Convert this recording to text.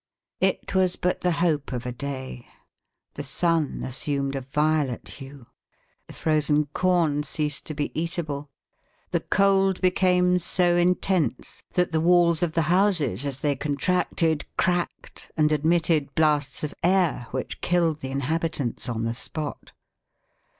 It was but the hope of a day. The sun assumed a violet hue. The frozen corn ceased to be eatable. The cold became so intense that the walls of the houses as they contracted cracked and admitted blasts of air which killed the inhabitants on the spot.